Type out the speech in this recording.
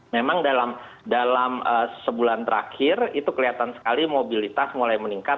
memang dalam sebulan terakhir itu kelihatan sekali mobilitas mulai meningkat